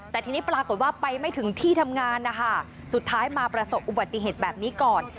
แต่ทีนี้ปรากฏว่าไปไม่ถึงที่ทำงานนะคะสุดท้ายมาประสบอุบัติเหตุแบบนี้ก่อน